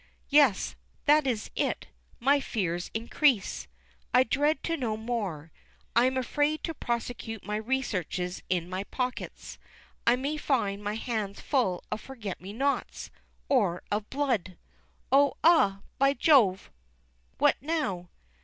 Yes, that is it. My fears increase. I dread to know more. I am afraid to prosecute my researches in my pockets. I may find my hands full of forget me nots or of blood! Oh! ah! by jove! What now?